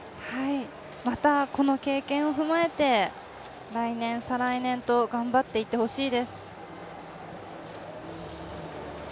またこの経験を踏まえて、来年再来年と頑張っていってほしいです。